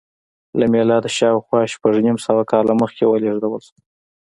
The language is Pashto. له میلاده شاوخوا شپږ نیم سوه کاله مخکې ولېږدول شوه